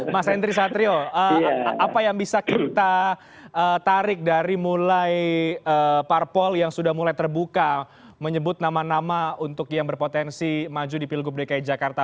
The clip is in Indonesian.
mas henry satrio apa yang bisa kita tarik dari mulai parpol yang sudah mulai terbuka menyebut nama nama untuk yang berpotensi maju di pilgub dki jakarta